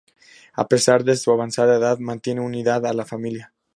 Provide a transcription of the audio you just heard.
A pesar de su avanzada edad, mantiene unida a la familia.